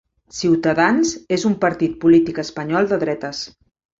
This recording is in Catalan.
Ciutadans és un partit polític espanyol de dretes.